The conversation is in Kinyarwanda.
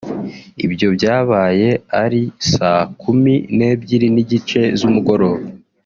Ibyo byabaye ari saa kumi n’ebyiri n’igice z’umugoroba